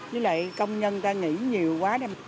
là tại công nhân ta nghỉ nhiều quá